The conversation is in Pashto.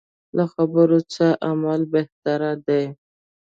له خبرو څه عمل بهتر دی.